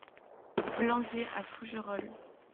Blanzey à Fougerolles